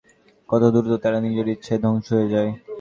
কত দ্রুত তারা নিজের ইচ্ছায় ধ্বংস হয়ে যায়।